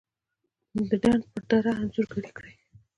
دډنډ پر دړه انځورګري کړي